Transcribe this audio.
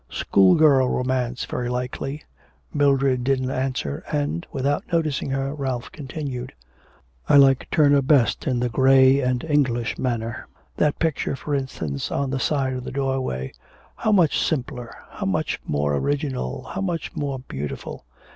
'School girl romance, very likely.' Mildred didn't answer and, without noticing her, Ralph continued, 'I like Turner best in the grey and English manner: that picture, for instance, on the other side of the doorway. How much simpler, how much more original, how much more beautiful.